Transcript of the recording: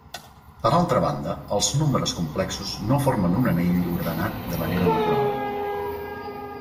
Per altra banda, els nombres complexos no formen un anell ordenat de manera natural.